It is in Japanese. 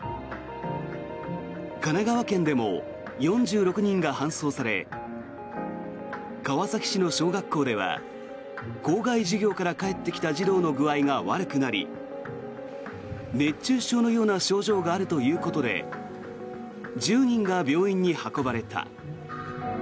神奈川県でも４６人が搬送され川崎市の小学校では校外授業から帰ってきた児童の具合が悪くなり熱中症のような症状があるということで１０人が病院に運ばれた。